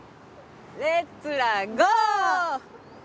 レッツラゴー！